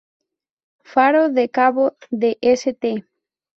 Faro de Cabo de St.